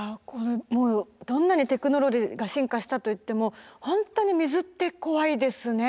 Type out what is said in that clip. もうどんなにテクノロジーが進化したといっても本当に水って怖いですね。